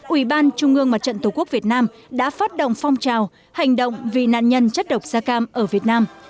ủy ban trung ương mặt trận tổ quốc việt nam đã phát động phong trào hành động vì nạn nhân chất độc da cam ở việt nam